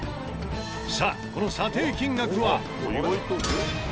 さあこの査定金額は。